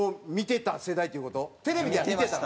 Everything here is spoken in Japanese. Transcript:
テレビでは見てたの？